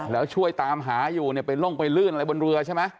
แล้วช่วยตามหาอยู่เนี่ยไปลงไปลื่นอะไรบนเรือใช่ไหม